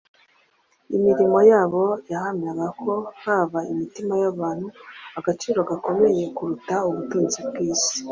Imirimo yabo yahamyaga ko baha imitima y’abantu agaciro gakomeye kuruta ubutunzi bw’isi.